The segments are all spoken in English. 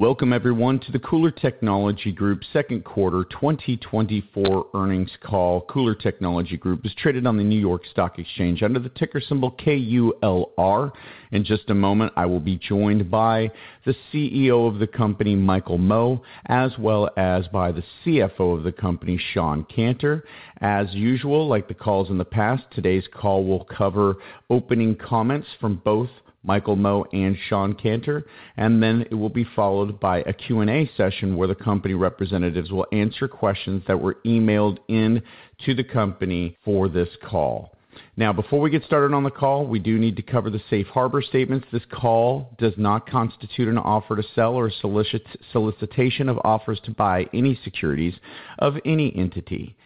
Welcome everyone to the KULR Technology Group Second Quarter 2024 Earnings Call. KULR Technology Group is traded on the New York Stock Exchange under the ticker symbol KULR. In just a moment, I will be joined by the CEO of the company, Michael Mo, as well as by the CFO of the company, Shawn Canter. As usual, like the calls in the past, today's call will cover opening comments from both Michael Mo and Shawn Canter, and then it will be followed by a Q&A session, where the company representatives will answer questions that were emailed in to the company for this call. Now, before we get started on the call, we do need to cover the safe harbor statements. This call does not constitute an offer to sell or solicit, solicitation of offers to buy any securities of any entity.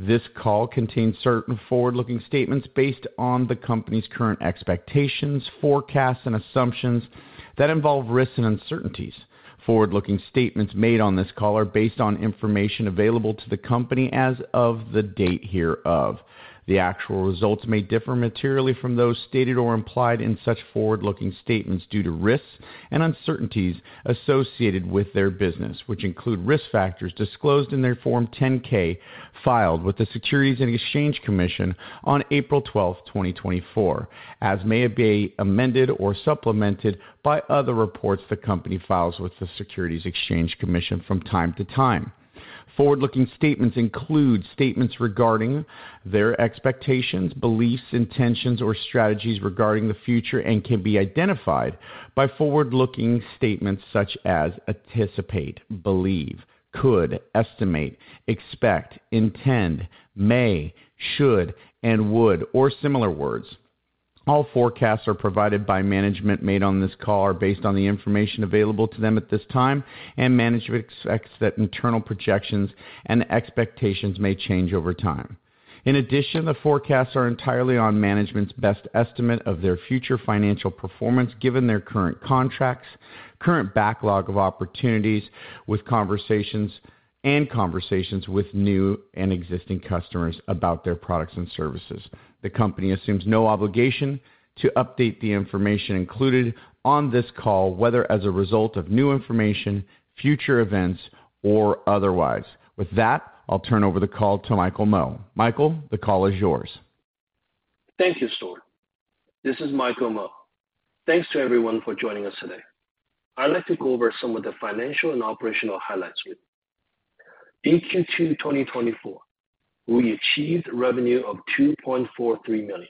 This call contains certain forward-looking statements based on the company's current expectations, forecasts, and assumptions that involve risks and uncertainties. Forward-looking statements made on this call are based on information available to the company as of the date hereof. The actual results may differ materially from those stated or implied in such forward-looking statements due to risks and uncertainties associated with their business, which include risk factors disclosed in their Form 10-K, filed with the Securities and Exchange Commission on April 12, 2024, as may be amended or supplemented by other reports the company files with the Securities and Exchange Commission from time to time. Forward-looking statements include statements regarding their expectations, beliefs, intentions, or strategies regarding the future, and can be identified by forward-looking statements such as anticipate, believe, could, estimate, expect, intend, may, should, and would, or similar words. All forecasts provided by management, made on this call, are based on the information available to them at this time, and management expects that internal projections and expectations may change over time. In addition, the forecasts are entirely on management's best estimate of their future financial performance, given their current contracts, current backlog of opportunities, with conversations with new and existing customers about their products and services. The company assumes no obligation to update the information included on this call, whether as a result of new information, future events, or otherwise. With that, I'll turn over the call to Michael Mo. Michael, the call is yours. Thank you, Stuart. This is Michael Mo. Thanks to everyone for joining us today. I'd like to go over some of the financial and operational highlights with you. In Q2 2024, we achieved revenue of $2.43 million,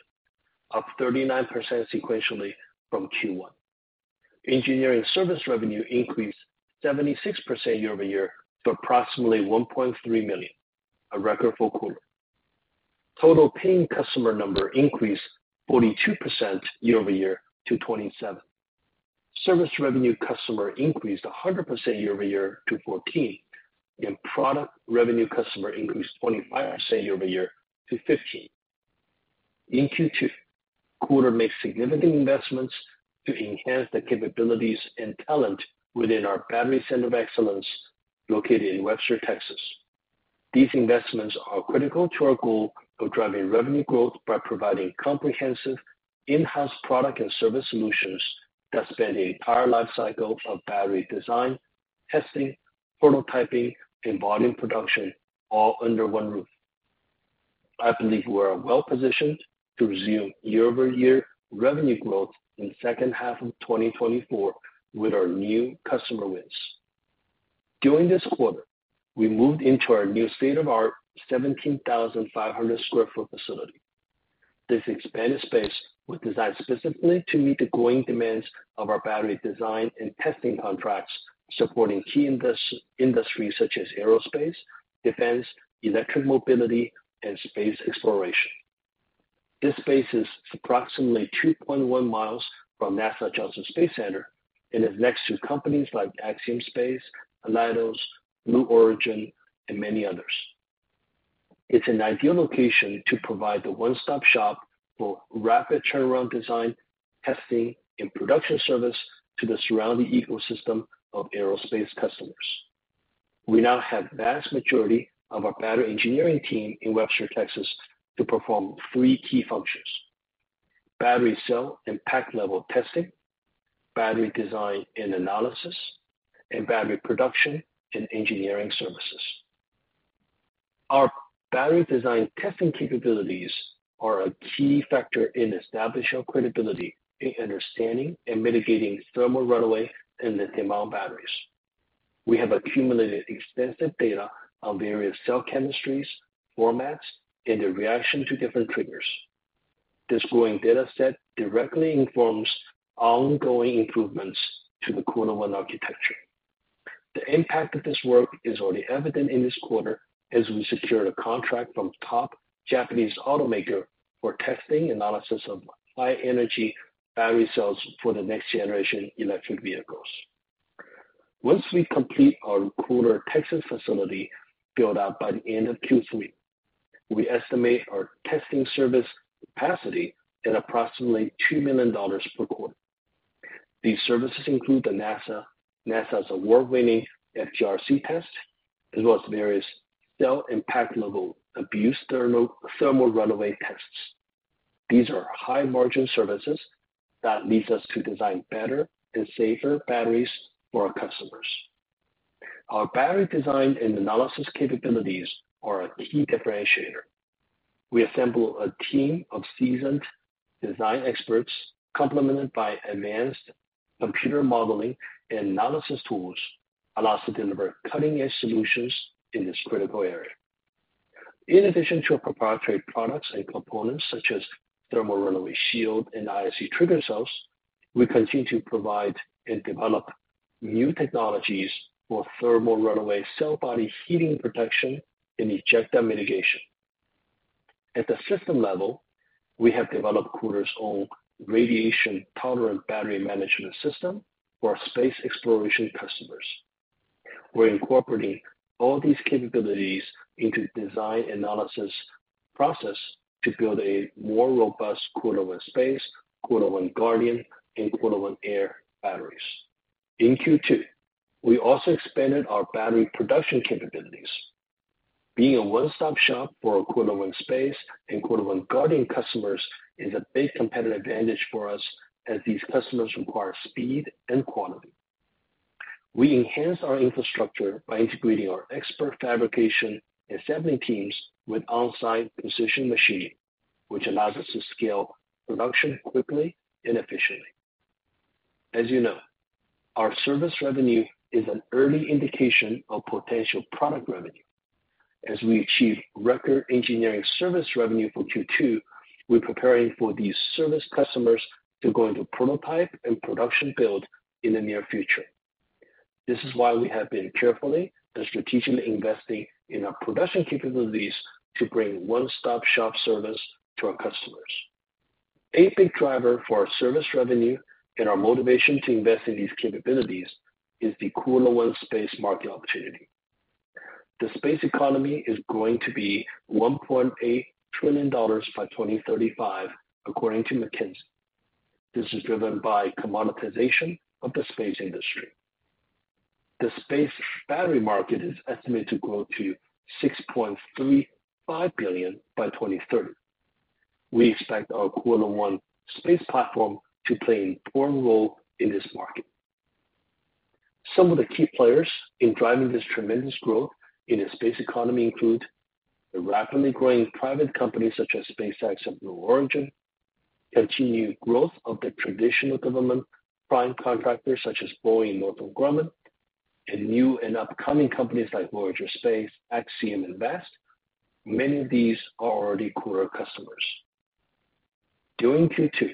up 39% sequentially from Q1. Engineering service revenue increased 76% year-over-year to approximately $1.3 million, a record for KULR. Total paying customer number increased 42% year-over-year to 27. Service revenue customer increased 100% year-over-year to 14, and product revenue customer increased 25% year-over-year to 15. In Q2, KULR made significant investments to enhance the capabilities and talent within our Battery Center of Excellence located in Webster, Texas. These investments are critical to our goal of driving revenue growth by providing comprehensive in-house product and service solutions that span the entire life cycle of battery design, testing, prototyping, and volume production, all under one roof. I believe we are well-positioned to resume year-over-year revenue growth in the second half of 2024 with our new customer wins. During this quarter, we moved into our new state-of-the-art 17,500 sq ft facility. This expanded space was designed specifically to meet the growing demands of our battery design and testing contracts, supporting key industries such as aerospace, defense, electric mobility, and space exploration. This space is approximately 2.1 miles from NASA Johnson Space Center and is next to companies like Axiom Space, Leidos, Blue Origin, and many others. It's an ideal location to provide a one-stop shop for rapid turnaround design, testing, and production service to the surrounding ecosystem of aerospace customers. We now have vast majority of our battery engineering team in Webster, Texas, to perform three key functions: battery cell and pack level testing, battery design and analysis, and battery production and engineering services. Our battery design testing capabilities are a key factor in establishing our credibility in understanding and mitigating thermal runaway and lithium-ion batteries. We have accumulated extensive data on various cell chemistries, formats, and their reaction to different triggers. This growing data set directly informs ongoing improvements to the KULR ONE architecture. The impact of this work is already evident in this quarter, as we secured a contract from top Japanese automaker for testing analysis of high-energy battery cells for the next generation electric vehicles. Once we complete our KULR Texas facility build-out by the end of Q3, we estimate our testing service capacity at approximately $2 million per quarter. These services include NASA's award-winning FTRC test, as well as various cell impact-level abuse thermal, thermal runaway tests. These are high-margin services that leads us to design better and safer batteries for our customers. Our battery design and analysis capabilities are a key differentiator. We assemble a team of seasoned design experts, complemented by advanced computer modeling and analysis tools, allows us to deliver cutting-edge solutions in this critical area. In addition to our proprietary products and components, such as Thermal Runaway Shield and ISC trigger cells, we continue to provide and develop new technologies for thermal runaway, cell body heating protection, and ejecta mitigation. At the system level, we have developed KULR's own radiation-tolerant battery management system for our space exploration customers. We're incorporating all these capabilities into design analysis process to build a more robust quote unquote "space," quote unquote "guardian," quote unquote "Air" batteries." In Q2, we also expanded our battery production capabilities. Being a one-stop shop for our quote unquote "Space" and quote unquote "Guardian" customers is a big competitive advantage for us, as these customers require speed and quality. We enhance our infrastructure by integrating our expert fabrication and assembly teams with on-site precision machining, which allows us to scale production quickly and efficiently. As you know, our service revenue is an early indication of potential product revenue. As we achieve record engineering service revenue for Q2, we're preparing for these service customers to go into prototype and production build in the near future. This is why we have been carefully and strategically investing in our production capabilities to bring one-stop-shop service to our customers. A big driver for our service revenue and our motivation to invest in these capabilities is the KULR ONE space market opportunity. The space economy is going to be $1.8 trillion by 2035, according to McKinsey. This is driven by commoditization of the space industry. The space battery market is estimated to grow to $6.35 billion by 2030. We expect our KULR ONE space platform to play an important role in this market. Some of the key players in driving this tremendous growth in the space economy include: the rapidly growing private companies, such as SpaceX and Blue Origin, continued growth of the traditional government prime contractors, such as Boeing, Northrop Grumman, and new and upcoming companies like Voyager Space, Axiom and Vast. Many of these are already KULR customers. During Q2,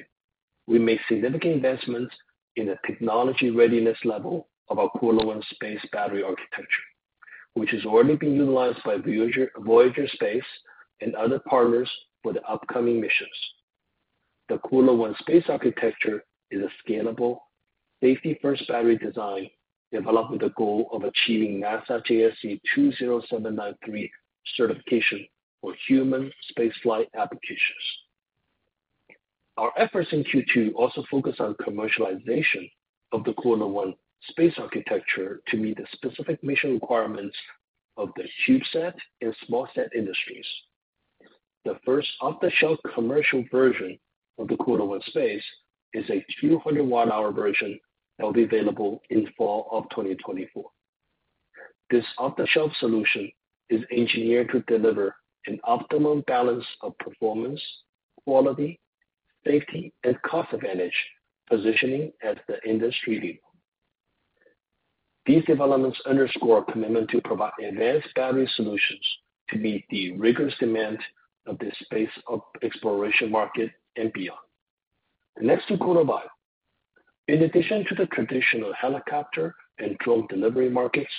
we made significant investments in the technology readiness level of our KULR ONE Space battery architecture, which is already being utilized by Voyager Space and other partners for the upcoming missions. The KULR ONE Space architecture is a scalable, safety-first battery design developed with the goal of achieving NASA JSC 20793 certification for human spaceflight applications. Our efforts in Q2 also focus on commercialization of the KULR ONE Space architecture to meet the specific mission requirements of the CubeSat and SmallSat industries. The first off-the-shelf commercial version of the KULR ONE Space is a 200 watt-hour version that will be available in fall of 2024. This off-the-shelf solution is engineered to deliver an optimum balance of performance, quality, safety, and cost advantage, positioning at the industry level. These developments underscore our commitment to provide advanced battery solutions to meet the rigorous demand of the space exploration market and beyond. Next, to KULR VIBE. In addition to the traditional helicopter and drone delivery markets,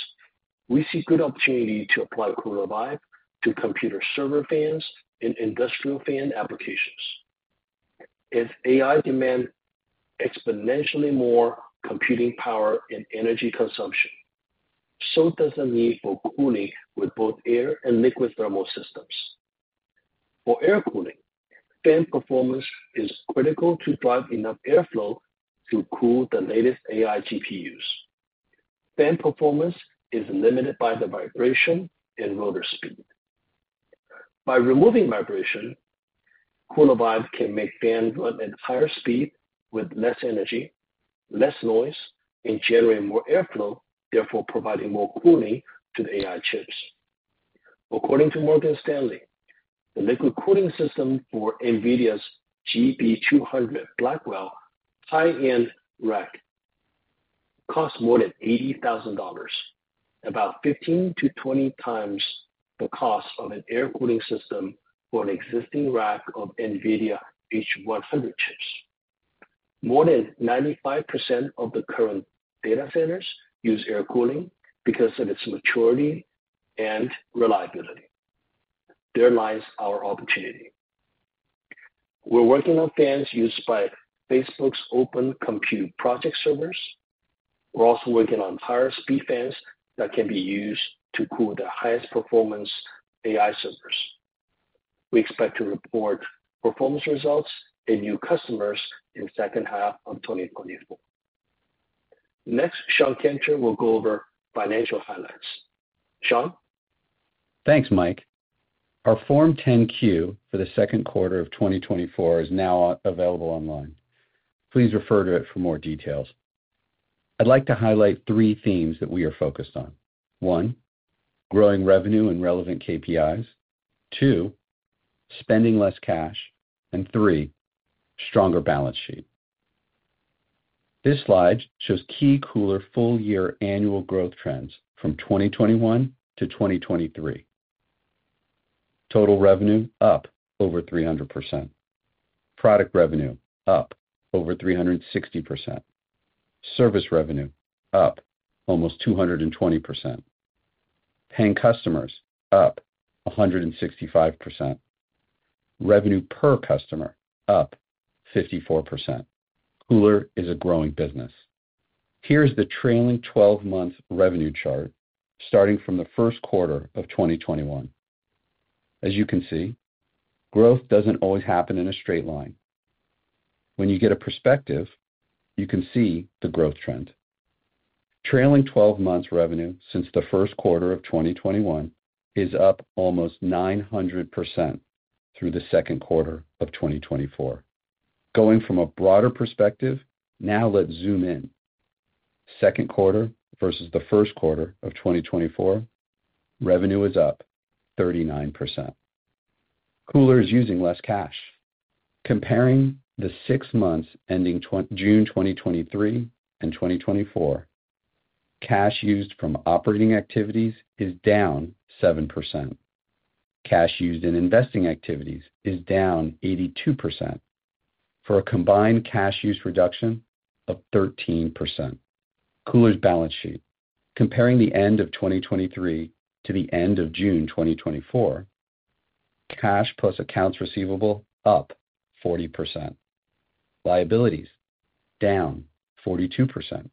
we see good opportunity to apply KULR VIBE to computer server fans and industrial fan applications. As AI demand exponentially more computing power and energy consumption, so does the need for cooling with both air and liquid thermal systems. For air cooling, fan performance is critical to drive enough airflow to cool the latest AI GPUs. Fan performance is limited by the vibration and rotor speed. By removing vibration, KULR VIBE can make fans run at higher speed with less energy, less noise, and generate more airflow, therefore providing more cooling to the AI chips. According to Morgan Stanley, the liquid cooling system for NVIDIA's GB200 Blackwell high-end rack costs more than $80,000, about 15x-20x the cost of an air cooling system for an existing rack of NVIDIA H100 chips. More than 95% of the current data centers use air cooling because of its maturity and reliability. There lies our opportunity. We're working on fans used by Facebook's Open Compute Project servers. We're also working on higher speed fans that can be used to cool the highest performance AI servers. We expect to report performance results and new customers in second half of 2024. Next, Shawn Canter will go over financial highlights. Shawn? Thanks, Mike. Our Form 10-Q for the second quarter of 2024 is now available online. Please refer to it for more details. I'd like to highlight three themes that we are focused on. One, growing revenue and relevant KPIs. Two, spending less cash, and three, stronger balance sheet. This slide shows key KULR full year annual growth trends from 2021 to 2023. Total revenue, up over 300%. Product revenue, up over 360%. Service revenue, up almost 220%. Paying customers, up 165%. Revenue per customer, up 54%. KULR is a growing business. Here's the trailing 12 month revenue chart starting from the first quarter of 2021. As you can see, growth doesn't always happen in a straight line. When you get a perspective, you can see the growth trend. Trailing 12 months revenue since the first quarter of 2021 is up almost 900% through the second quarter of 2024. Going from a broader perspective, now let's zoom in. Second quarter versus the first quarter of 2024, revenue is up 39%. KULR is using less cash. Comparing the six months ending June 2023 and 2024, cash used from operating activities is down 7%. Cash used in investing activities is down 82%, for a combined cash use reduction of 13%. KULR's balance sheet, comparing the end of 2023 to the end of June 2024, cash plus accounts receivable, up 40%. Liabilities, down 42%.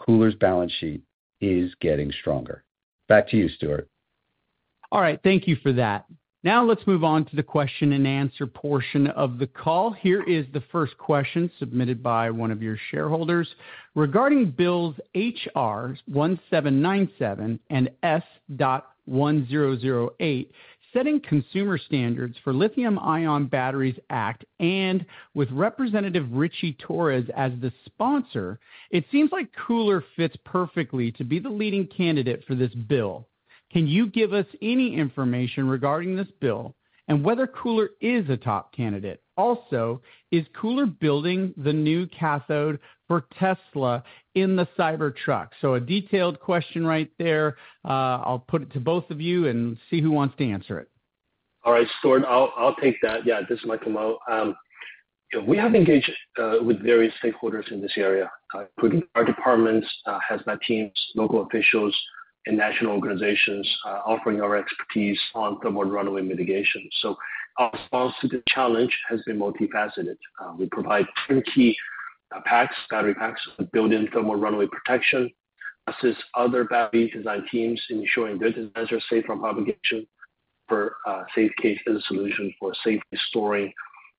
KULR's balance sheet is getting stronger. Back to you, Stuart. All right, thank you for that. Now let's move on to the question and answer portion of the call. Here is the first question submitted by one of your shareholders: Regarding bills HR 1797 and S. 1008, Setting Consumer Standards for Lithium-Ion Batteries Act, and with Representative Ritchie Torres as the sponsor, it seems like KULR fits perfectly to be the leading candidate for this bill. Can you give us any information regarding this bill and whether KULR is a top candidate? Also, is KULR building the new cathode for Tesla in the Cybertruck? So a detailed question right there. I'll put it to both of you and see who wants to answer it. All right, Stuart, I'll take that. Yeah, this is Michael Mo. We have engaged with various stakeholders in this area, including our departments, hazmat teams, local officials, and national organizations, offering our expertise on thermal runaway mitigation. So our response to the challenge has been multifaceted. We provide turnkey packs, battery packs with built-in thermal runaway protection, assist other battery design teams in ensuring their designs are safe from propagation for SafeCASE and solution for safely storing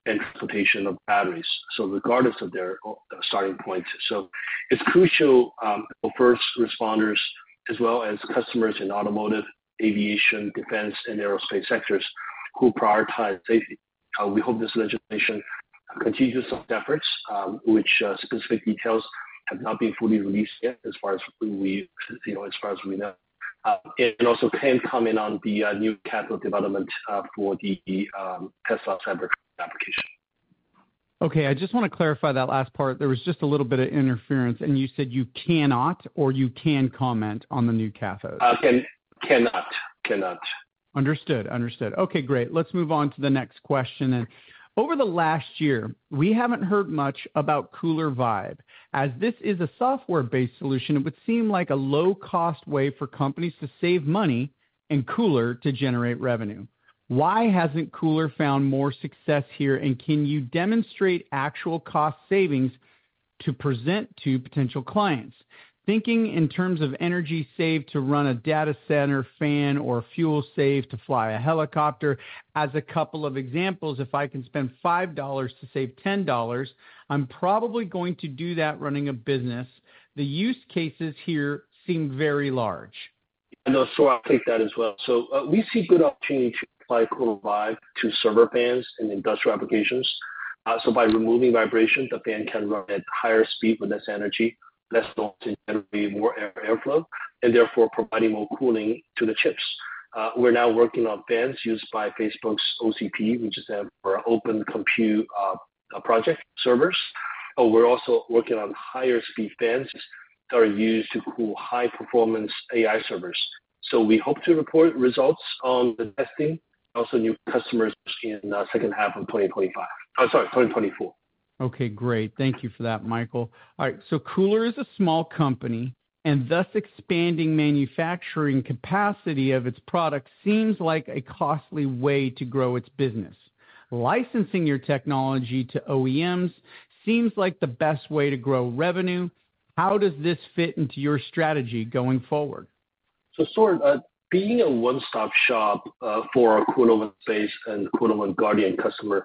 and transportation of batteries, so regardless of their starting points. So it's crucial for first responders as well as customers in automotive, aviation, defense, and aerospace sectors who prioritize safety. We hope this legislation continues some efforts, which specific details have not been fully released yet, as far as we, you know, as far as we know. And also can't comment on the new cathode development for the Tesla Cybertruck application. Okay, I just wanna clarify that last part. There was just a little bit of interference, and you said you cannot or you can comment on the new cathodes? Cannot. Cannot. Understood. Understood. Okay, great. Let's move on to the next question then. Over the last year, we haven't heard much about KULR VIBE. As this is a software-based solution, it would seem like a low-cost way for companies to save money and KULR to generate revenue. Why hasn't KULR found more success here, and can you demonstrate actual cost savings to present to potential clients? Thinking in terms of energy saved to run a data center fan or fuel saved to fly a helicopter, as a couple of examples, if I can spend $5 to save $10, I'm probably going to do that running a business. The use cases here seem very large. I know, so I'll take that as well. So, we see good opportunity to apply KULR VIBE to server fans in industrial applications. So, by removing vibration, the fan can run at higher speed with less energy, less noise, and generate more airflow, and therefore providing more cooling to the chips. We're now working on fans used by Facebook's OCP, which stands for Open Compute Project Servers. We're also working on higher speed fans that are used to cool high-performance AI servers. So we hope to report results on the testing, also new customers in second half of 2025. Sorry, 2024. Okay, great. Thank you for that, Michael. All right, so KULR is a small company, and thus expanding manufacturing capacity of its product seems like a costly way to grow its business. Licensing your technology to OEMs seems like the best way to grow revenue. How does this fit into your strategy going forward? So sort of, being a one-stop shop, for our quote-unquote "base" and quote-unquote "guardian customer"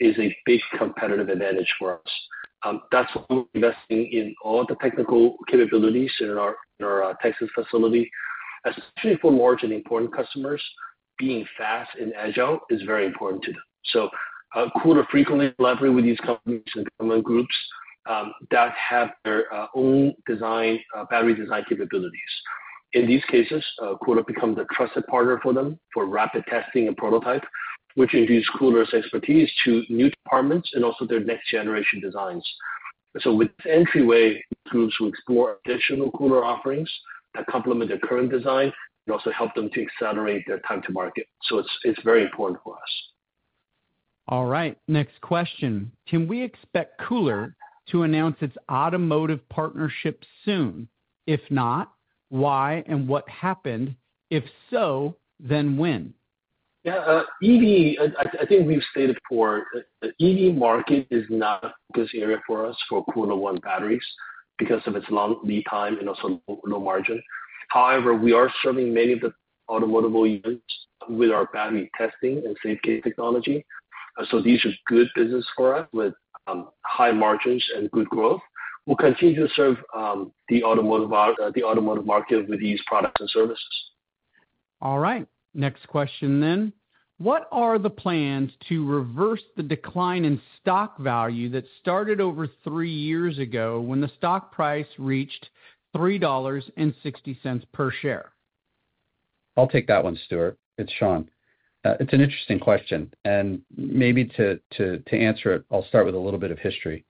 is a big competitive advantage for us. That's why we're investing in all the technical capabilities in our Texas facility. Especially for large and important customers, being fast and agile is very important to them. So, KULR frequently leverage with these companies and customer groups, that have their own design battery design capabilities. In these cases, KULR becomes a trusted partner for them for rapid testing and prototype, which introduces KULR's expertise to new departments and also their next-generation designs. So with entryway groups, who explore additional KULR offerings that complement their current design and also help them to accelerate their time to market. So it's very important for us. All right, next question: Can we expect KULR to announce its automotive partnership soon? If not, why and what happened? If so, then when? Yeah, EV, I think we've stated before, the EV market is not a good area for us for KULR ONE batteries because of its long lead time and also low margin. However, we are serving many of the automotive OEMs with our battery testing and SafeCASE technology. So these are good business for us with high margins and good growth. We'll continue to serve the automotive market with these products and services. All right, next question then. What are the plans to reverse the decline in stock value that started over three years ago when the stock price reached $3.60 per share? I'll take that one, Stuart. It's Shawn. It's an interesting question, and maybe to answer it, I'll start with a little bit of history.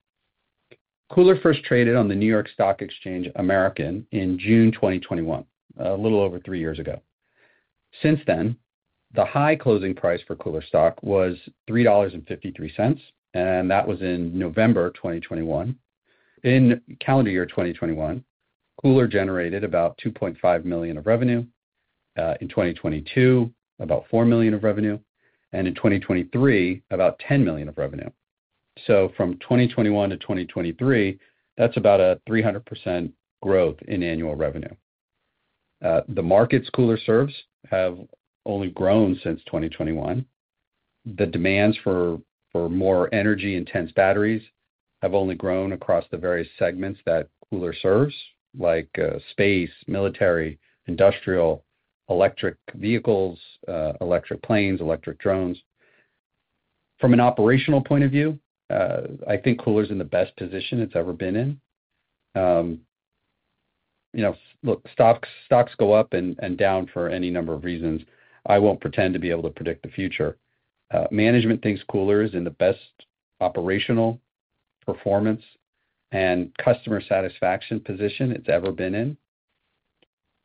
KULR first traded on the New York Stock Exchange American in June 2021, a little over three years ago. Since then, the high closing price for KULR stock was $3.53, and that was in November 2021. In calendar year 2021, KULR generated about $2.5 million of revenue, in 2022, about $4 million of revenue, and in 2023, about $10 million of revenue. So from 2021 to 2023, that's about 300% growth in annual revenue. The markets KULR serves have only grown since 2021. The demands for more energy-intense batteries have only grown across the various segments that KULR serves, like, space, military, industrial, electric vehicles, electric planes, electric drones. From an operational point of view, I think KULR's in the best position it's ever been in. You know, look, stocks, stocks go up and, and down for any number of reasons. I won't pretend to be able to predict the future. Management thinks KULR is in the best operational performance and customer satisfaction position it's ever been in.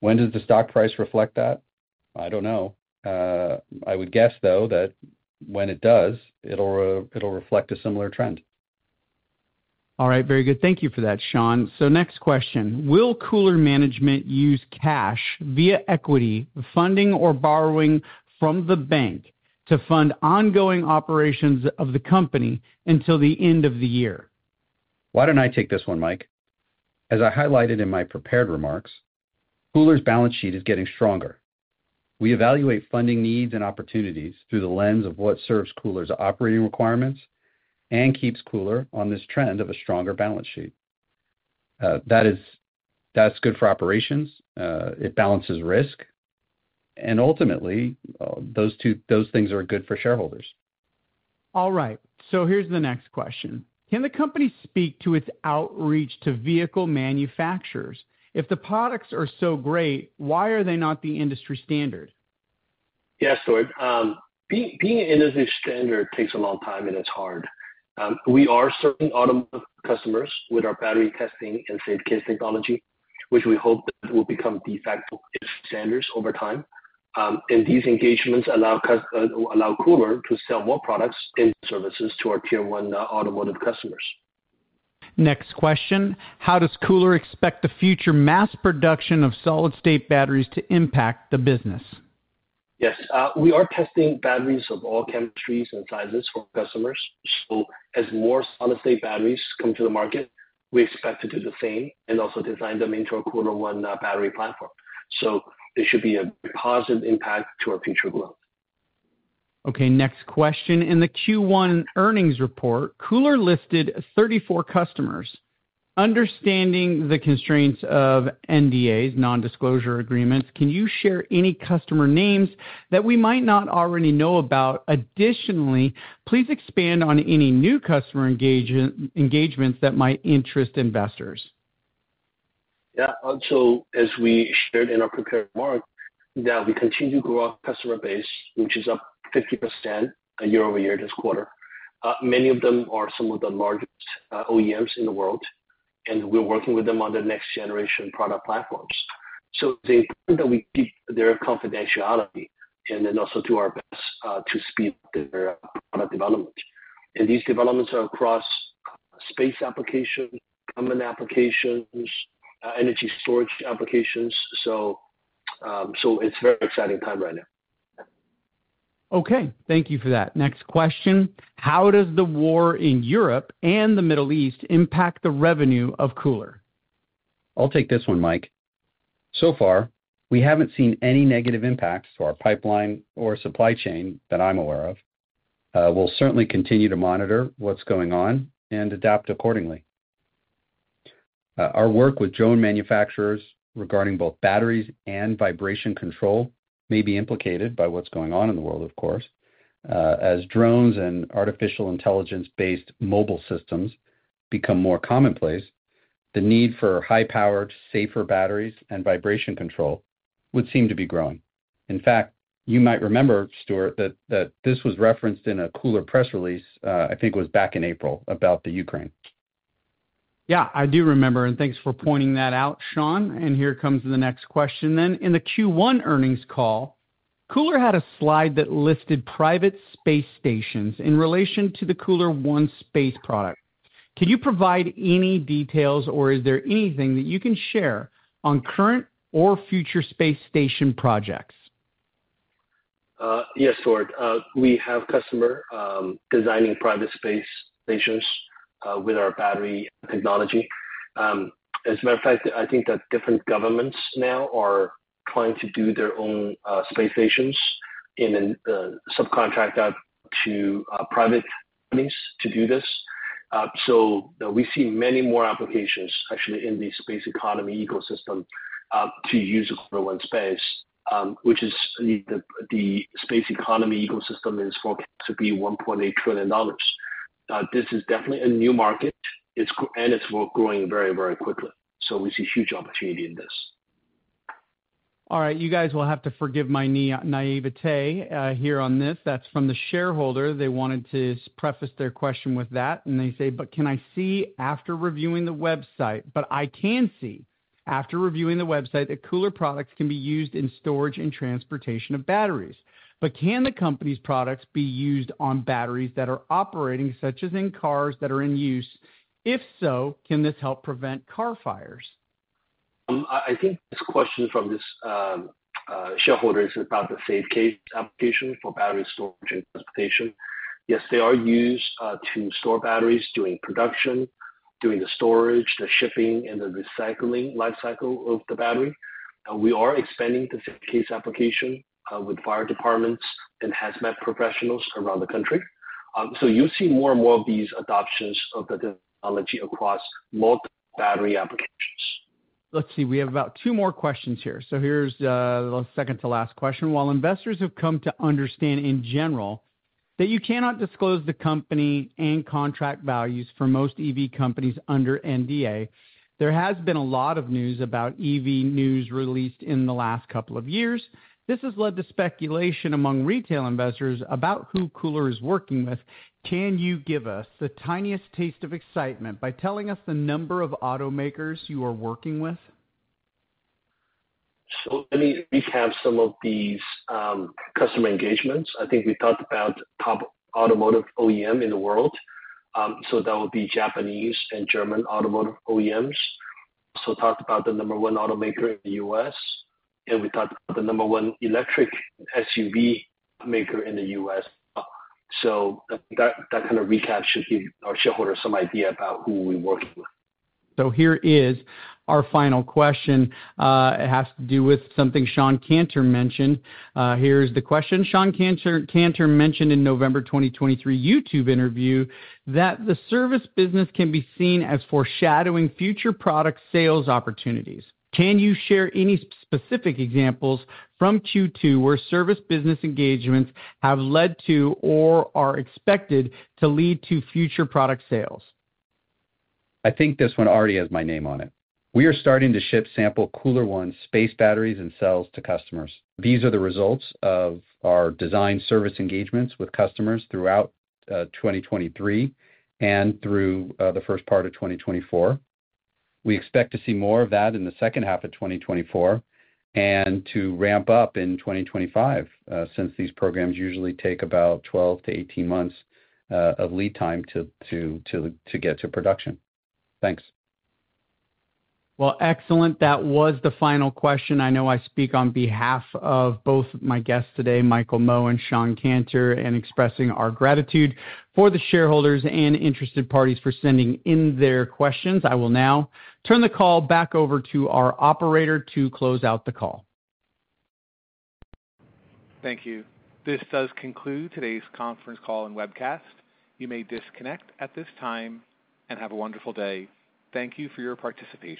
When does the stock price reflect that? I don't know. I would guess, though, that when it does, it'll, it'll reflect a similar trend. All right. Very good. Thank you for that, Shawn. So next question: Will KULR management use cash via equity funding or borrowing from the bank to fund ongoing operations of the company until the end of the year? Why don't I take this one, Mike? As I highlighted in my prepared remarks, KULR's balance sheet is getting stronger. We evaluate funding needs and opportunities through the lens of what serves KULR's operating requirements and keeps KULR on this trend of a stronger balance sheet. That's good for operations. It balances risk, and ultimately, those things are good for shareholders. All right, so here's the next question: Can the company speak to its outreach to vehicle manufacturers? If the products are so great, why are they not the industry standard? Yeah, Stuart. Being an industry standard takes a long time, and it's hard. We are serving automotive customers with our battery testing and SafeCASE technology, which we hope that will become de facto industry standards over time. And these engagements allow KULR to sell more products and services to our tier one automotive customers. Next question: How does KULR expect the future mass production of solid-state batteries to impact the business? Yes. We are testing batteries of all chemistries and sizes for customers. So as more solid-state batteries come to the market, we expect to do the same and also design them into our KULR ONE battery platform. So it should be a positive impact to our future growth. Okay, next question. In the Q1 earnings report, KULR listed 34 customers. Understanding the constraints of NDAs, non-disclosure agreements, can you share any customer names that we might not already know about? Additionally, please expand on any new customer engagements that might interest investors. Yeah. So as we shared in our prepared remarks, that we continue to grow our customer base, which is up 50% year over year this quarter. Many of them are some of the largest OEMs in the world, and we're working with them on the next generation product platforms. So it's important that we keep their confidentiality and then also do our best to speed their product development. And these developments are across space application, common applications, energy storage applications, so it's a very exciting time right now. Okay, thank you for that. Next question: How does the war in Europe and the Middle East impact the revenue of KULR? I'll take this one, Mike. So far, we haven't seen any negative impacts to our pipeline or supply chain that I'm aware of. We'll certainly continue to monitor what's going on and adapt accordingly. Our work with drone manufacturers regarding both batteries and vibration control may be implicated by what's going on in the world, of course. As drones and artificial intelligence-based mobile systems become more commonplace, the need for high-powered, safer batteries and vibration control would seem to be growing. In fact, you might remember, Stuart, that this was referenced in a KULR press release, I think it was back in April, about the Ukraine. Yeah, I do remember, and thanks for pointing that out, Shawn. Here comes the next question then. In the Q1 earnings call, KULR had a slide that listed private space stations in relation to the KULR ONE Space product. Can you provide any details, or is there anything that you can share on current or future space station projects? Yes, Stuart. We have customer designing private space stations with our battery technology. As a matter of fact, I think that different governments now are trying to do their own space stations in an subcontract out to private companies to do this. So we see many more applications, actually, in the space economy ecosystem to use KULR ONE Space, which is the space economy ecosystem is forecast to be $1.8 trillion. This is definitely a new market, it's and it's growing very, very quickly, so we see huge opportunity in this. All right, you guys will have to forgive my naïveté here on this. That's from the shareholder. They wanted to preface their question with that, and they say: But I can see, after reviewing the website, that KULR products can be used in storage and transportation of batteries. But can the company's products be used on batteries that are operating, such as in cars that are in use? If so, can this help prevent car fires? I think this question from this shareholder is about the SafeCASE application for battery storage and transportation. Yes, they are used to store batteries during production, during the storage, the shipping, and the recycling life cycle of the battery. We are expanding the SafeCASE application with fire departments and hazmat professionals around the country. So you'll see more and more of these adoptions of the technology across multiple battery applications. Let's see, we have about two more questions here. So here's the second to last question. While investors have come to understand in general that you cannot disclose the company and contract values for most EV companies under NDA, there has been a lot of news about EV news released in the last couple of years. This has led to speculation among retail investors about who KULR is working with. Can you give us the tiniest taste of excitement by telling us the number of automakers you are working with? So let me recap some of these, customer engagements. I think we talked about top automotive OEM in the world, so that would be Japanese and German automotive OEMs. So talked about the number one automaker in the U.S., and we talked about the number one electric SUV maker in the U.S. So that, that kind of recap should give our shareholders some idea about who we're working with. Here is our final question. It has to do with something Shawn Canter mentioned. Here's the question: Shawn Canter mentioned in November 2023 YouTube interview that the service business can be seen as foreshadowing future product sales opportunities. Can you share any specific examples from Q2 where service business engagements have led to or are expected to lead to future product sales? I think this one already has my name on it. We are starting to ship sample KULR ONE Space batteries and cells to customers. These are the results of our design service engagements with customers throughout 2023 and through the first part of 2024. We expect to see more of that in the second half of 2024 and to ramp up in 2025 since these programs usually take about 12-18 months of lead time to get to production. Thanks. Well, excellent. That was the final question. I know I speak on behalf of both my guests today, Michael Mo and Shawn Canter, in expressing our gratitude for the shareholders and interested parties for sending in their questions. I will now turn the call back over to our operator to close out the call. Thank you. This does conclude today's conference call and webcast. You may disconnect at this time, and have a wonderful day. Thank you for your participation.